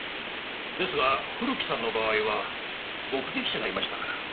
ですが古木さんの場合は目撃者がいましたから。